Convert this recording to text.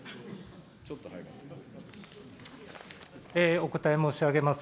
お答え申し上げます。